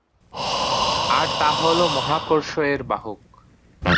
আর তা হল মহাকর্ষ এর বাহক।